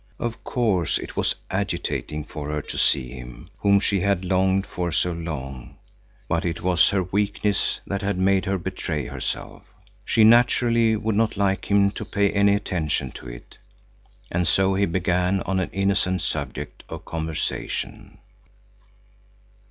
Of course it was agitating for her to see him, whom she had longed for so long, but it was her weakness that had made her betray herself. She naturally would not like him to pay any attention to it. And so he began on an innocent subject of conversation.